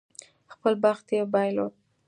خپل بخت یې بایلود.